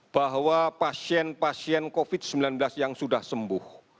bahwa pasien pasien covid sembilan belas yang sudah sembuh